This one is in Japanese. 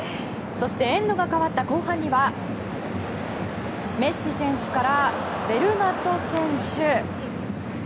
エンドが変わった後半にはメッシ選手からベルナト選手。